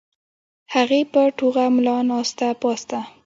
يعني پۀ ټوغه ملا ناسته پاسته